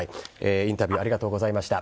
インタビューありがとうございました。